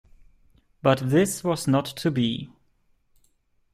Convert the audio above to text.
But this was not to be.